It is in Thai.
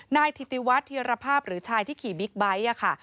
ถิติวัฒน์ธีรภาพหรือชายที่ขี่บิ๊กไบท์ค่ะ